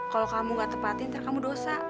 kalau kamu nggak tepatin ntar kamu dosa